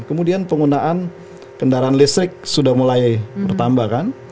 kemudian penggunaan kendaraan listrik sudah mulai bertambah kan